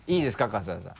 春日さん。